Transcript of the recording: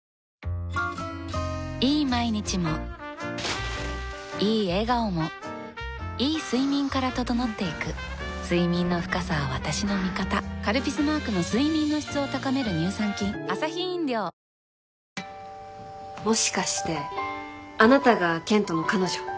いい毎日もいい笑顔もいい睡眠から整っていく睡眠の深さは私の味方「カルピス」マークの睡眠の質を高める乳酸菌もしかしてあなたが健人の彼女？